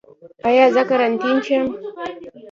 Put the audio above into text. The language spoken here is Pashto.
ایا زه قرنطین شم؟